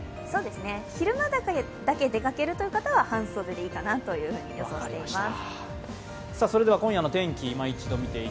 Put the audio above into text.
昼間だけ出かけるという方は半袖でいいかなと予想しています。